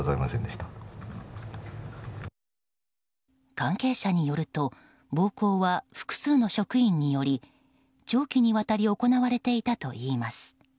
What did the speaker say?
関係者によると、暴行は複数の職員により長期にわたり行われていたといいます。